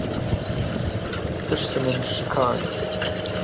پشتمم شکاند.